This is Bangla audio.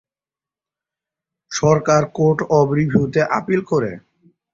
সরকার কোর্ট অব রিভিউতে আপিল করে।